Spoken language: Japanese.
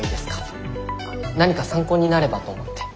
何か参考になればと思って。